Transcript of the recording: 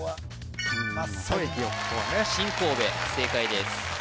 そこは新神戸正解です